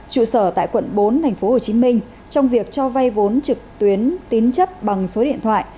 trụ sở tại quận bốn tp hcm trong việc cho vay vốn trực tuyến tín chất bằng số điện thoại